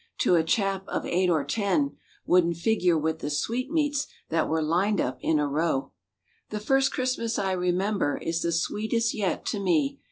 To a chap of eight or ten. Wouldn't figure with the sweetmeats That were lined up in a row. The first Christmas I remember Is the sweetest yet, to me.